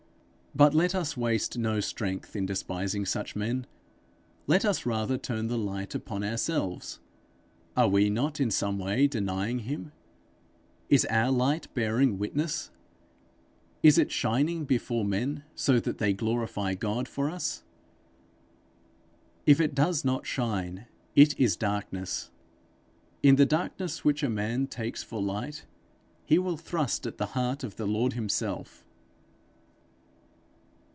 But let us waste no strength in despising such men; let us rather turn the light upon ourselves: are we not in some way denying him? Is our light bearing witness? Is it shining before men so that they glorify God for it? If it does not shine, it is darkness. In the darkness which a man takes for light, he will thrust at the heart of the Lord himself.